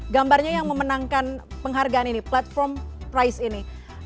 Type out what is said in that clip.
gambarnya yang memenangkan penghargaan ini platform price ini